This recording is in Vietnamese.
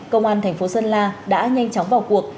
công an thành phố sơn la đã nhanh chóng vào cuộc